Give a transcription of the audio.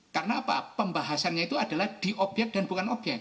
karena apa pembahasannya itu adalah di obyek dan bukan obyek